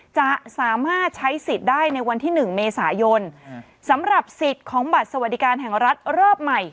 จะสามารถใช้สิทธิ์ได้ในวันที่๑เมษายนสำหรับสิทธิ์ของบัตรสวัสดิการแห่งรัฐรอบใหม่